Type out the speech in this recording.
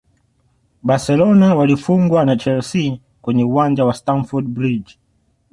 barcelona walifungwana chelsea kwenye uwanja wa stamford bridge